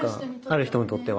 ある人にとっては。